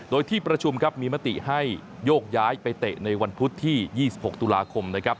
โดยที่ประชุมครับมีมติให้โยกย้ายไปเตะในวันพุธที่๒๖ตุลาคมนะครับ